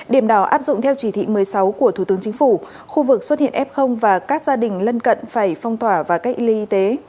điểm đảo áp dụng theo chỉ thị một mươi sáu của thủ tướng chính phủ khu vực xuất hiện f và các gia đình lân cận phải phong tỏa và cách ly y tế